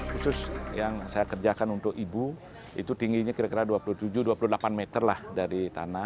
khusus yang saya kerjakan untuk ibu itu tingginya kira kira dua puluh tujuh dua puluh delapan meter lah dari tanah